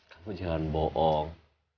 kamu jangan bohong